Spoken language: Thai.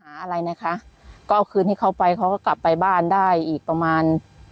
อะไรนะคะก็เอาคืนให้เขาไปเขาก็กลับไปบ้านได้อีกประมาณ